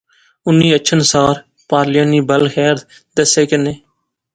انی اچھن سار پارلیاں نی بل خیر دسے کنے